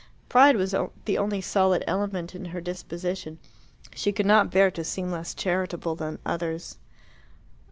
Pride was the only solid element in her disposition. She could not bear to seem less charitable than others.